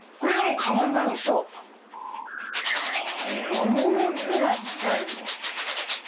「炉も持ってらっしゃる」